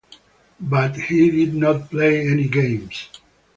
But he did not play any games.